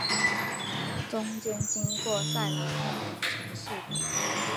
中间经过萨莱诺等城市。